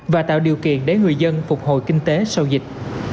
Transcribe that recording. và tạo điều kiện để người dân phục hồi kinh tế sau dịch